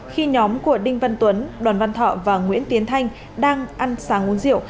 khi nhóm của đinh văn tuấn đoàn văn thọ và nguyễn tiến thanh đang ăn sáng uống rượu